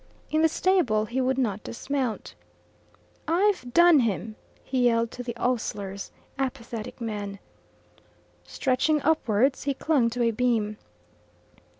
In the stable he would not dismount. "I've done him!" he yelled to the ostlers apathetic men. Stretching upwards, he clung to a beam.